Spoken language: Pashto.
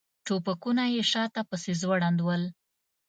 ټوپکونه یې شاته پسې ځوړند ول.